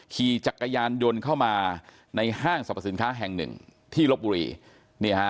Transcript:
ขี่จักรยานยนต์เข้ามาในห้างสรรพสินค้าแห่งหนึ่งที่ลบบุรีนี่ฮะ